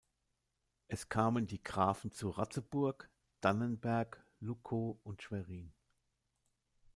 Es kamen die Grafen zu Ratzeburg, Dannenberg, Luckow und Schwerin.